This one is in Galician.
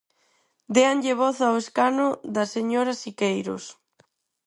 Déanlle voz ao escano da señora Siqueiros.